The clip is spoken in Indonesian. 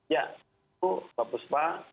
ya itu mbak fusfa